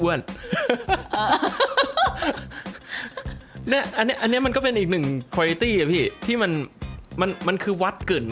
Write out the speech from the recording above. เนี้ยอันเนี้ยอันเนี้ยมันก็เป็นอีกหนึ่งที่มันมันมันคือวัดกึ๋น